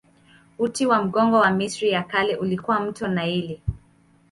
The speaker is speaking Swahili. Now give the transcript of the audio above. Uti wa mgongo wa Misri ya Kale ulikuwa mto Naili.